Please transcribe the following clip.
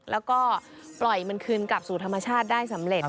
แล้วก็ปล่อยมันคืนกลับสู่ธรรมชาติได้สำเร็จ